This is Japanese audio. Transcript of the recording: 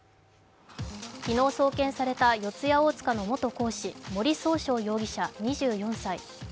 昨日送検された四谷大塚の元講師森崇翔容疑者２４歳。